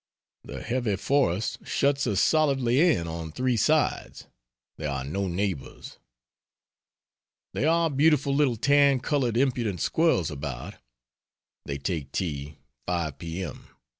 The heavy forest shuts us solidly in on three sides there are no neighbors. There are beautiful little tan colored impudent squirrels about. They take tea, 5 p. m.